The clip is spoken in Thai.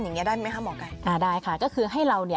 อย่างเงี้ยได้ไหมครับหมอไกรได้ค่ะก็คือให้เรานี่